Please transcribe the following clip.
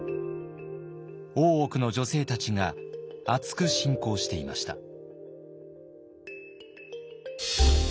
大奥の女性たちがあつく信仰していました。